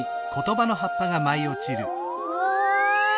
うわ！